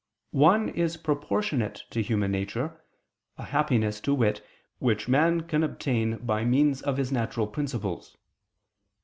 One is proportionate to human nature, a happiness, to wit, which man can obtain by means of his natural principles.